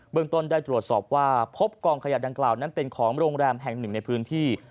เมืองต้นได้ตรวจสอบว่าพบกองขยะดังกล่าวนั้นเป็นของโรงแรมแห่งหนึ่งในพื้นที่